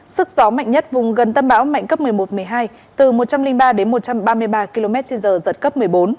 sức gió mạnh nhất vùng gần tâm bão mạnh cấp một mươi một một mươi hai từ một trăm linh ba đến một trăm ba mươi ba km trên giờ giật cấp một mươi bốn